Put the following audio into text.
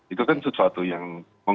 itu kan sesuatu yang